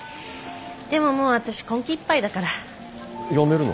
でももう私今期いっぱいだから。辞めるの？